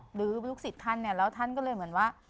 หรือลูกศิษย์ท่านเนี่ยแล้วท่านก็เลยเหมือนว่า